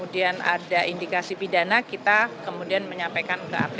dan ada indikasi pidana kita kemudian menyampaikan ke aph